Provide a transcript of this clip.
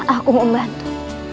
aku mau membantu